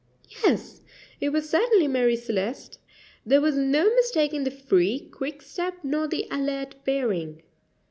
Yes, it was certainly Marie Celeste. There was no mistaking the free, quick step nor the alert bearing.